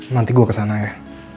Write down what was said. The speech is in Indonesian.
nanti gue kesana ya